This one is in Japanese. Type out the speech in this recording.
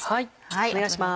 お願いします。